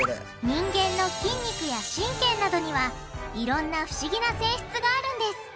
人間の筋肉や神経などにはいろんな不思議な性質があるんです。